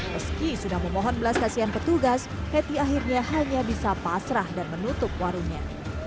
meski sudah memohon belas kasihan petugas heti akhirnya hanya bisa pasrah dan menutup warungnya